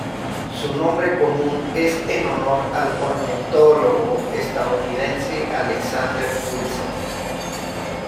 Su nombre común es en honor al ornitólogo estadounidense Alexander Wilson.